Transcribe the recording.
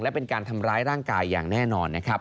และเป็นการทำร้ายร่างกายอย่างแน่นอนนะครับ